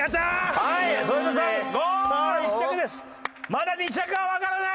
まだ２着はわからない。